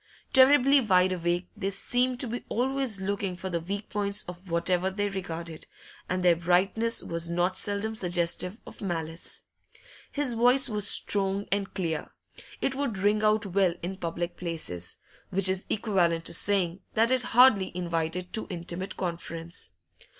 Terribly wide awake, they seemed to be always looking for the weak points of whatever they regarded, and their brightness was not seldom suggestive of malice. His voice was strong and clear; it would ring out well in public places, which is equivalent to saying that it hardly invited too intimate conference.